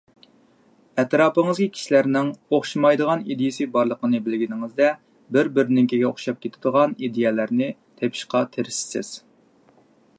ئەتراپىڭىزدىكى كىشىلەرنىڭ ئوخشىمايدىغان ئىدىيەسى بارلىقىنى بىلگىنىڭىزدە، بىر-بىرىنىڭكىگە ئوخشاپ كېتىدىغان ئىدىيەلەرنى تېپىشقا تىرىشىسىز.